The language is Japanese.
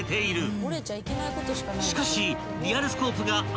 ［しかし］